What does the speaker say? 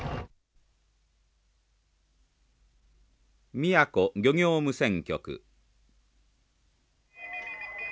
宮古漁業無線局。